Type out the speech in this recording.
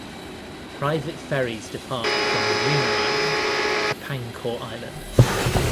Private ferries depart from Marina Island to Pangkor Island.